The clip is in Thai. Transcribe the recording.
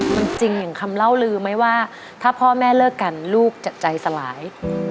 มันจริงอย่างคำเล่าลือไหมว่าถ้าพ่อแม่เลิกกันลูกจะใจสลาย